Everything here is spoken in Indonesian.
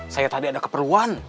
saya tadi ada keperluan